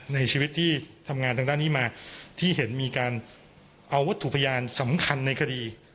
ในชีวิตที่ทำงานทางด้านนี้มาที่เห็นมีการเอาวัตถุพยานสำคัญในคดี